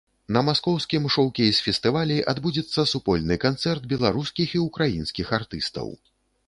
На маскоўскім шоукейс-фестывалі адбудзецца супольны канцэрт беларускіх і ўкраінскіх артыстаў.